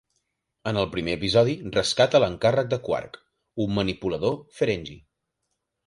En el primer episodi rescata l'encàrrec de Quark, un manipulador Ferengi.